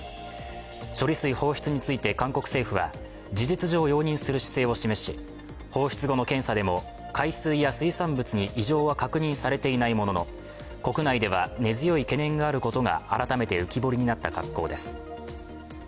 処理水放出について、韓国政府は事実上容認する姿勢を示し放出後の検査でも海水や水産物に異常は確認されていないものの国内では根強い懸念があることが改めて浮き彫りになった格好です。